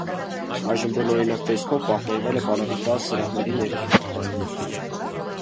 Այժմ բնօրինակ տեսքով պահպանվել է պալատի տաս սրահների ներքին հարդարանքը։